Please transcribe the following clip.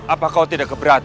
apa kau tidak kebetulan